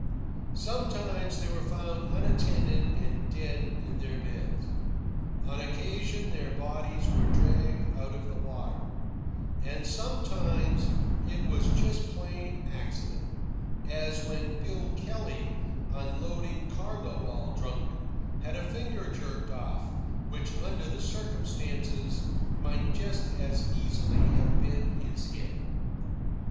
Sometimes they were found unattended and dead in their beds; on occasion their bodies were dragged out of the water; and sometimes it was just plain accident, as when Bill Kelley, unloading cargo while drunk, had a finger jerked off, which, under the circumstances, might just as easily have been his head.